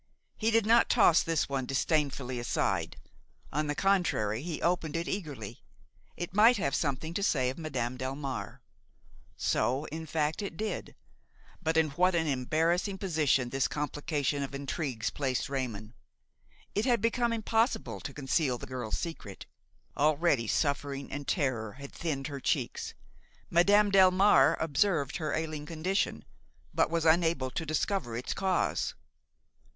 He did not toss this one disdainfully aside; on the contrary, he opened it eagerly: it might have something to say of Madame Delmare. So, in fact, it did; but in what an embarrassing position this complication of intrigues placed Raymon! It had become impossible to conceal the girl's secret. Already suffering and terror had thinned her cheeks. Madame Delmare observed her ailing condition, but was unable to discover its cause.